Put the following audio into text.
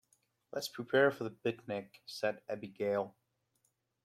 "Let's prepare for the picnic!", said Abigail.